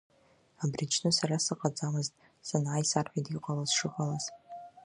Абри аҽны сара сыҟаӡамызт, санааи исарҳәеит иҟалаз-шыҟалаз.